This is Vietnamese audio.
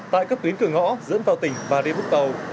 tại các tuyến cửa ngõ dẫn vào tỉnh bà rịu úng tàu